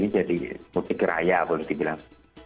jadi mudik raya boleh dibilang